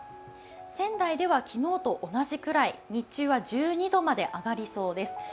仙台ではきのうと同じくらい、日中は１２℃まで上がりそうです。